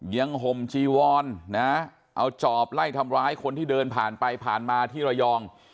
ห่มจีวอนนะเอาจอบไล่ทำร้ายคนที่เดินผ่านไปผ่านมาที่ระยอง